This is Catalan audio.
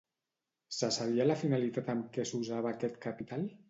Se sabia la finalitat amb què s'usava aquest capital?